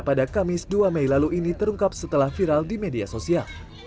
pada kamis dua mei lalu ini terungkap setelah viral di media sosial